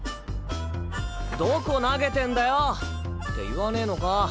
どこ投げてんだよ！って言わねえのか？